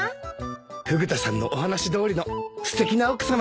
フグ田さんのお話どおりのすてきな奥さまで。